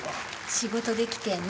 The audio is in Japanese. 仕事で来てんの。